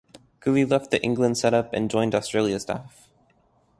Cooley left the England setup and joined Australia's staff.